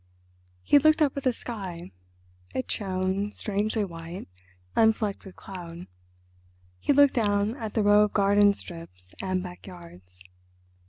He looked up at the sky: it shone, strangely white, unflecked with cloud; he looked down at the row of garden strips and backyards.